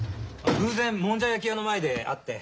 偶然もんじゃ焼き屋の前で会って。